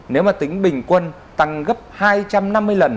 nếu mà tính bình quân tăng gấp hai trăm năm mươi lần